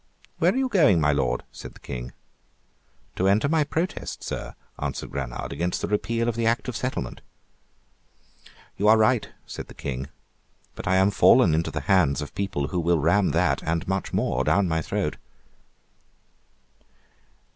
"Where are you going, my Lord?" said the King. "To enter my protest, Sir," answered Granard, "against the repeal of the Act of Settlement." "You are right," said the King: "but I am fallen into the hands of people who will ram that and much more down my throat."